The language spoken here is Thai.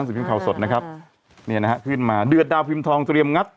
สีพิมพ์ข่าวสดนะครับเนี่ยนะฮะขึ้นมาเดือดดาวพิมพ์ทองเตรียมงัด